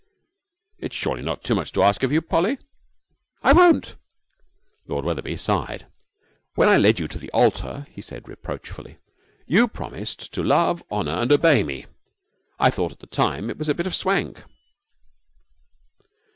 'It's surely not much to ask of you, Polly?' 'I won't!' Lord Wetherby sighed. 'When I led you to the altar,' he said, reproachfully, 'you promised to love, honour, and obey me. I thought at the time it was a bit of swank!'